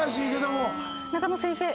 中野先生。